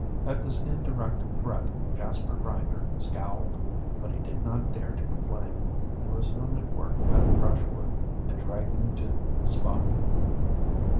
At this indirect threat Jasper Grinder scowled. But he did not dare to complain, and was soon at work cutting brushwood and dragging it to the spot.